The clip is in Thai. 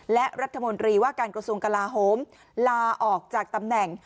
และรัฐมนตรีว่าการกระทรวงกลาโหมลาออกจากตำแหน่ง